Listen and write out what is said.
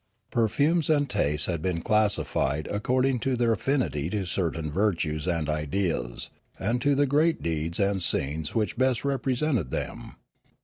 The perfumes and tastes had been classified accord ing to their affinity to certain virtues and ideas and to the great deeds and scenes which best represented them.